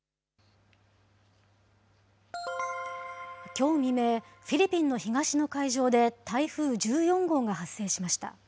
きょう未明、フィリピンの東の海上で、台風１４号が発生しました。